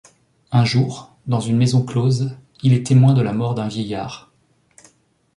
Un jour, dans une maison close, il est témoin de la mort d’un vieillard.